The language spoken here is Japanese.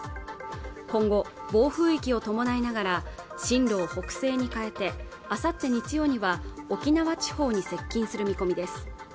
今後暴風域を伴いながら進路を北西に変えてあさって日曜には沖縄地方に接近する見込みです